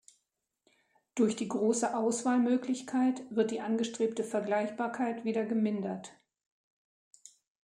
Durch die große Auswahlmöglichkeit wird die angestrebte Vergleichbarkeit wieder gemindert.